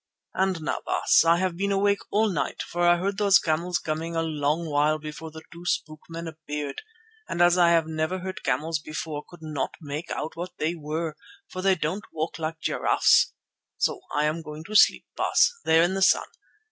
And now, Baas, I have been awake all night, for I heard those camels coming a long while before the two spook men appeared, and as I have never heard camels before, could not make out what they were, for they don't walk like giraffes. So I am going to sleep, Baas, there in the sun.